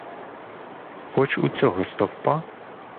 Хоч у цього стовпа?